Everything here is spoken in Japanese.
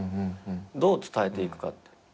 どう伝えていくかって。